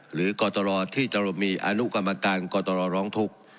กตรที่จะมีอนุกรรมการกตรร้องทุกข์